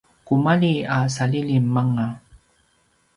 kumalji a salilim anga